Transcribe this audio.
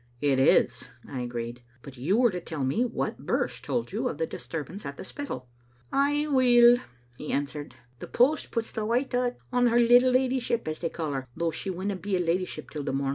" "It is," I agreed; "but you were to tell me what Birse told you of the disturbance at the Spittal." "Ay, weel," he answered, "the post puts the wit6 o't on her little leddyship, as they call her, though she winna be a leddyship till the mom.